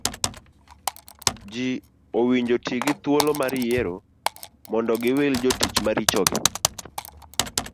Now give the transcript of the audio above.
Ji owinjo ti gi thuolo mar yiero mondo giwil jotich maricho gi